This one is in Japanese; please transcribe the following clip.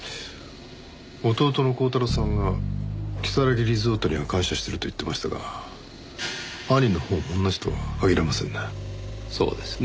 弟の光太郎さんが如月リゾートには感謝してると言ってましたが兄のほうも同じとは限りませんね。